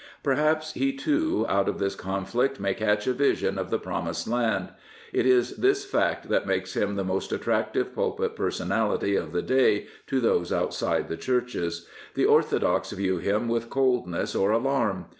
Per haps he, too, out of this conflict may catch a vision of the Promised Land. It is this fact that makes him the most attractive pulpit personality of the day to those outside the churches. The orthodox view him with coldness or alarm.